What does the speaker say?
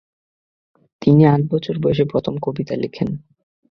তিনি আট বছর বয়েসে প্রথম কবিতা লেখেন।